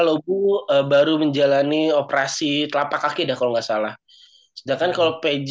lobu baru menjalani operasi telapak kaki dah kalau nggak salah sedangkan kalau pj sampai sekarang gue